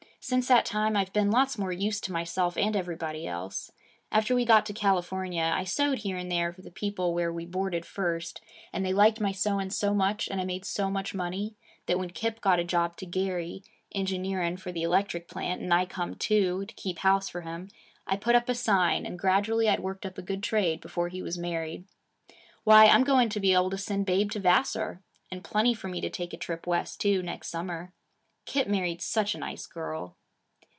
Since that time, I've been lots more use to myself and everybody else. After we got to California, I sewed here and there for the people where we boarded first, and they liked my sewing so much, and I made so much money, that when Kip got a job to Gary, engineering for the electric plant, and I come too, to keep house for him, I put up a sign and gradually I'd worked up a good trade, before he was married. Why I'm going to be able to send Babe to Vassar, and plenty for me to take a trip west, too, next summer. Kip married such a nice girl.'